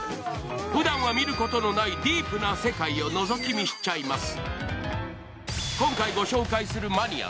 ふだんは見ることのないディープな世界をのぞき見しちゃいます。